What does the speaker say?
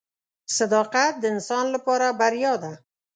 • صداقت د انسان لپاره بریا ده.